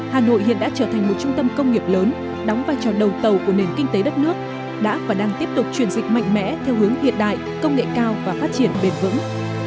hà nội hiện đã trở thành một trung tâm công nghiệp lớn đóng vai trò đầu tàu của nền kinh tế đất nước đã và đang tiếp tục chuyển dịch mạnh mẽ theo hướng hiện đại công nghệ cao và phát triển bền vững